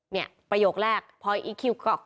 เนี่ยประโยคแรกพออีกคิวก็